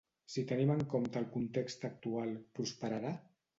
Si tenim en compte el context actual, prosperarà?